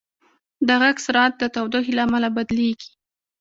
د غږ سرعت د تودوخې له امله بدلېږي.